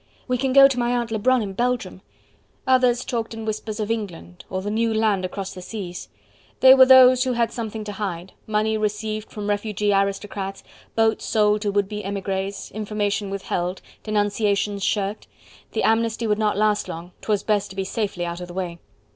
"We can go to my aunt Lebrun in Belgium..." Others talked in whispers of England or the New Land across the seas: they were those who had something to hide, money received from refugee aristocrats, boats sold to would be emigres, information withheld, denunciations shirked: the amnesty would not last long, 'twas best to be safely out of the way.